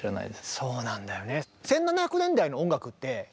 そうなんだよね。